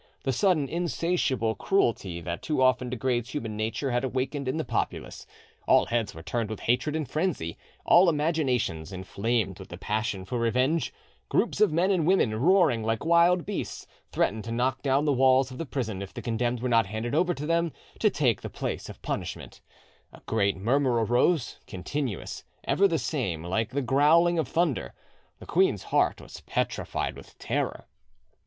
The sudden insatiable cruelty that too often degrades human nature had awaked in the populace: all heads were turned with hatred and frenzy; all imaginations inflamed with the passion for revenge; groups of men and women, roaring like wild beasts, threatened to knock down the walls of the prison, if the condemned were not handed over to them to take to the place of punishment: a great murmur arose, continuous, ever the same, like the growling of thunder: the queen's heart was petrified with terror.